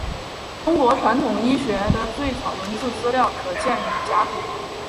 中国传统医学的最早文字资料可见于甲骨文。